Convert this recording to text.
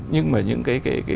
nhưng mà những cái